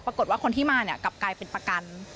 ปรากฏว่าคนที่มาเนี่ยกลับกลายเป็นประกัน